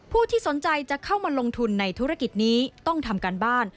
ผู้ที่สนใจจะเข้ามาลงทุนในธุรกิจนี้ต้องทำการบ้าน